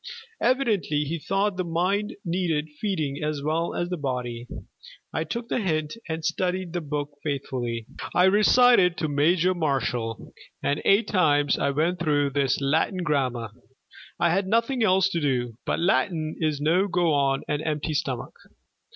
Evidently he thought the mind needed feeding as well as the body. I took the hint and studied the book faithfully. I recited to Major Marshall, and eight times I went through this Latin grammar. I had nothing else to do, but Latin is no go on an empty stomach.